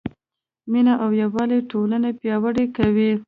مینه او یووالی ټولنه پیاوړې کوي.